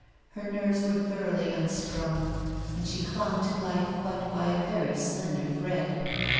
Her nerves were thoroughly unstrung, and she clung to life but by a very slender thread.